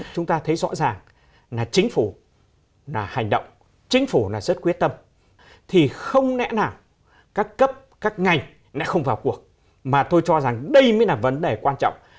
chúng ta thấy rõ ràng là chính phủ là hành động chính phủ là rất quyết tâm thì không nẽ nào các cấp các ngành lại không vào cuộc mà tôi cho rằng đây mới là vấn đề quan trọng